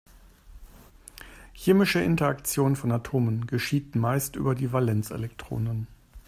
Chemische Interaktion von Atomen geschieht meist über die Valenzelektronen.